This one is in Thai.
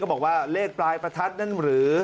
บอกว่าเลขปลายประทัดนั่นหรือ